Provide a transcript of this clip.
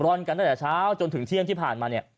อนกันตั้งแต่เช้าจนถึงเที่ยงที่ผ่านมาเนี่ย